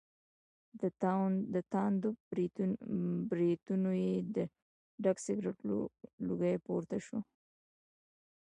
له تاندو برېتونو یې د ډک سګرټ لوګی پور ته شو.